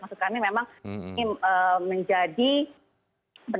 maksud kami memang ini menjadikan